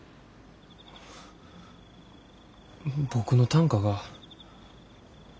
僕の短歌が。